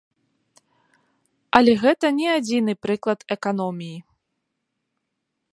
Але гэта не адзіны прыклад эканоміі.